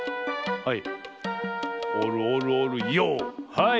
はい。